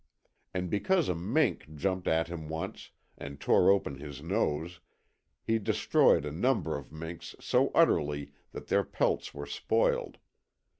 And because a mink jumped at him once, and tore open his nose, he destroyed a number of minks so utterly that their pelts were spoiled.